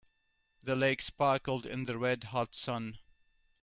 The lake sparkled in the red hot sun.